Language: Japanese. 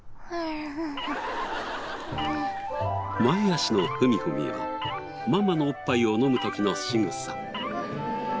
前脚のふみふみはママのおっぱいを飲む時のしぐさ。